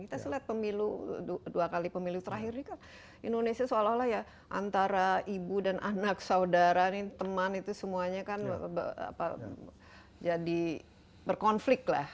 kita selalu lihat dua kali pemilu terakhir di indonesia seolah olah ya antara ibu dan anak saudara teman itu semuanya kan berkonflik lah